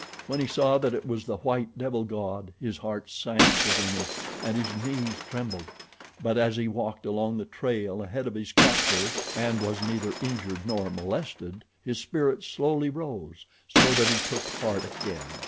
When he saw that it was the white devil god his heart sank within him and his knees trembled; but as he walked along the trail ahead of his captor and was neither injured nor molested his spirits slowly rose, so that he took heart again.